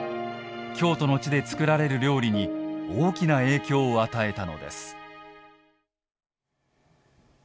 京都の地で作られる料理に大きな影響を与えたのです。